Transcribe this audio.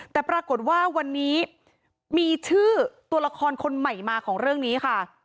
แต่ปรากฏว่าวันนี้มีชื่อตัวละครคนใหม่มาของเรื่องนี้ค่ะ